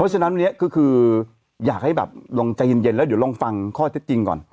ฉะนั้นวันนี้ก็คืออยากให้แบบลองใจเย็นแล้วเดี๋ยวลองฟังข้อเท็จจริงก่อน